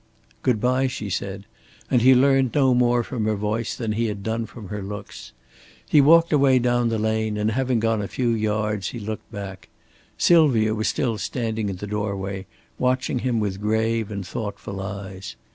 "Good by," she said, and he learned no more from her voice than he had done from her looks. He walked away down the lane, and having gone a few yards he looked back. Sylvia was still standing in the doorway, watching him with grave and thoughtful eyes.